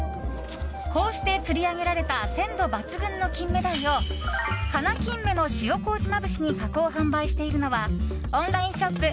こうして釣り上げられた鮮度抜群のキンメダイを華金目の塩麹まぶしに加工・販売しているのはオンラインショップ